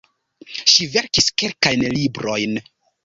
Ŝi verkis kelkajn librojn.